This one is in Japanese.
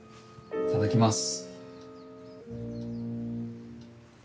いただきます。